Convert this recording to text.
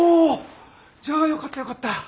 じゃあよかったよかった。